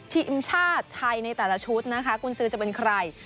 ทีมชาติไทยในแต่ละชุดนะคะกุญสือจะเป็นใคร